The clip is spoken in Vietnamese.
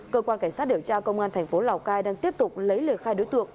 cơ quan cảnh sát điều tra công an thành phố lào cai đang tiếp tục lấy lời khai đối tượng